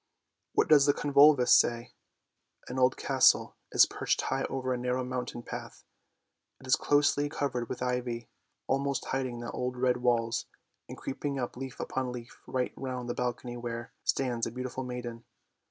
" What does the convolvulus say? " An old castle is perched high over a narrow mountain path, it is closely covered with ivy, almost hiding the old red walls, and creeping up leaf upon leaf right round the balcony where stands a beautiful maiden.